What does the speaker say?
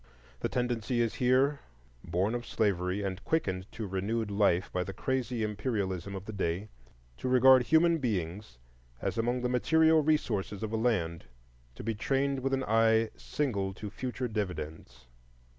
The tendency is here, born of slavery and quickened to renewed life by the crazy imperialism of the day, to regard human beings as among the material resources of a land to be trained with an eye single to future dividends.